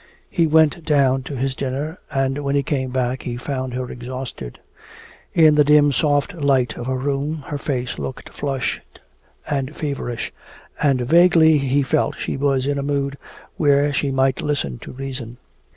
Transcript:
He went down to his dinner, and when he came back he found her exhausted. In the dim soft light of her room her face looked flushed and feverish, and vaguely he felt she was in a mood where she might listen to reason.